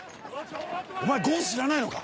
お前伍を知らないのか？